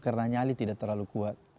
karena nyali tidak terlalu kuat